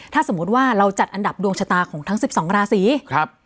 ถ้าสมมุติว่าเราจัดอันดับดวงชะตาของทั้งสิบสองราศีครับ